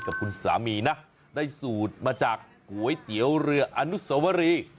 กับคุณสามีนะได้สูตรมาจากก๋วยเตี๋ยวเรืออนุสวรี